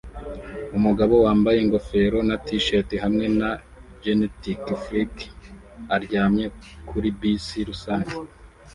Umugabo wambaye ingofero na t-shirt hamwe na "Genetic Freak" aryamye kuri bisi rusange